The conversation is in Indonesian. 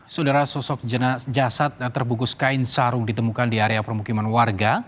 saudara sosok jasad terbungkus kain sarung ditemukan di area permukiman warga